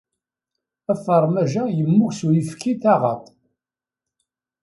Afermaj-a yemmug s uyefki n taɣaṭ.